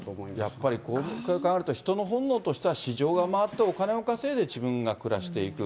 やっぱり人の本能としては市場が回って、お金を稼いで自分が暮らしていく。